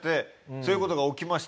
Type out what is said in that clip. そういう事が起きました